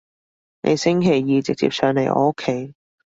你星期二直接上嚟我屋企